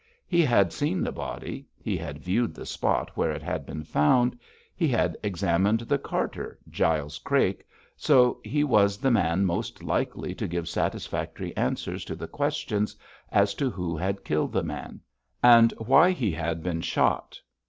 He had seen the body, he had viewed the spot where it had been found, he had examined the carter, Giles Crake, so he was the man most likely to give satisfactory answers to the questions as to who had killed the man, and why he had been shot.